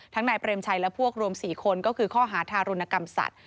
นายเปรมชัยและพวกรวม๔คนก็คือข้อหาทารุณกรรมสัตว